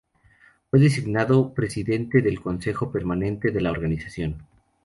Fue designado presidente del consejo permanente de la organización.